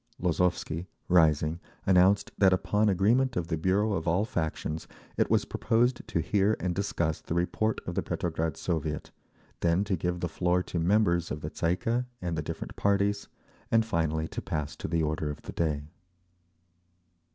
Lozovsky, rising, announced that upon agreement of the bureau of all factions, it was proposed to hear and discuss the report of the Petrograd Soviet, then to give the floor to members of the Tsay ee kah and the different parties, and finally to pass to the order of the day.